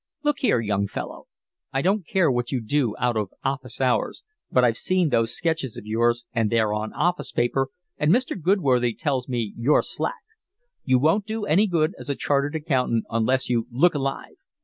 "Look here, young fellow, I don't care what you do out of office hours, but I've seen those sketches of yours and they're on office paper, and Mr. Goodworthy tells me you're slack. You won't do any good as a chartered accountant unless you look alive.